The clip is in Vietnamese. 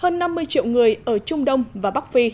một triệu người ở trung đông và bắc phi